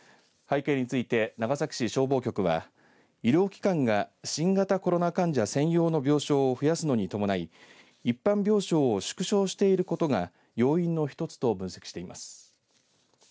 背景について、長崎市消防局は医療機関が新型コロナ患者専用の病床を増やすのに伴い一般病床を縮小していることが要因の１つと分析しています。